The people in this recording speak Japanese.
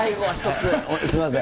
すみません。